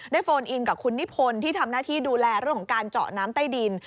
โฟนอินกับคุณนิพนธ์ที่ทำหน้าที่ดูแลเรื่องของการเจาะน้ำใต้ดิน